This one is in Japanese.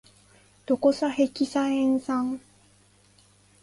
ドコサヘキサエン酸